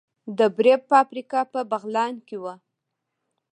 د بورې فابریکه په بغلان کې وه